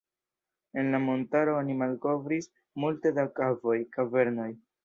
En la montaro oni malkovris multe da kavoj, kavernoj.